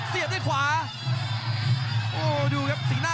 กรรมการเตือนทั้งคู่ครับ๖๖กิโลกรัม